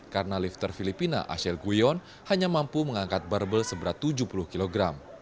karena lifter filipina asel guyon hanya mampu mengangkat barbel seberat tujuh puluh kg